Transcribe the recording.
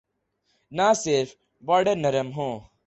نہ صرف بارڈر نرم ہوں۔